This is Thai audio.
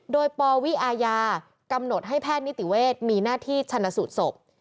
โดยปวิอาญากำหนดให้แพทย์นิติเวศมีหน้าที่ชนะสูตรศพ